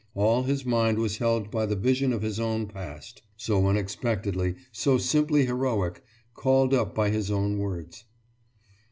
All his mind was held by the vision of his own past, so unexpectedly, so simply heroic, called up by his own words.